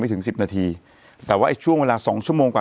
ถึงสิบนาทีแต่ว่าไอ้ช่วงเวลาสองชั่วโมงกว่า